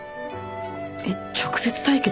えっ直接対決？